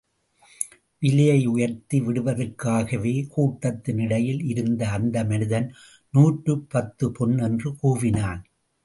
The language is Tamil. விலையை உயர்த்தி விடுவதற்காகவே கூட்டத்தின் இடையில் இருந்த அந்த மனிதன், நூற்றுப்பத்துப் பொன் என்று கூவினான்.